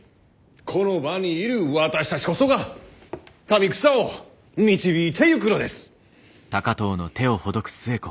この場にいる私たちこそが民草を導いていくのです！